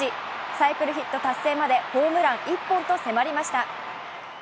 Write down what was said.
サイクルヒット達成までホームラン１本と迫りました。